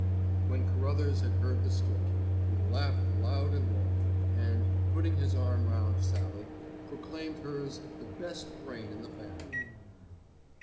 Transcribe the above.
When Carruthers had heard the story he laughed loud and long, and, putting his arm round Sallie, proclaimed hers the best brain in the family.